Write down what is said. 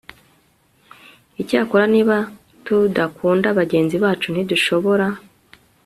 icyakora niba tudakunda bagenzi bacu ntidushobora